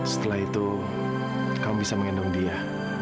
setelah itu kamu bisa mengendong dia